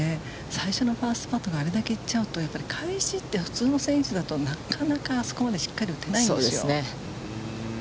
最初のファーストパットがあれだけ行っちゃうと、やっぱり返しって、普通の選手だと、なかなかあそこまでしっかり打てないんですよ。